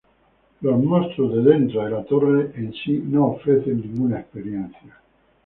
Los monstruos de dentro de la torre en sí no ofrecen ninguna experiencia.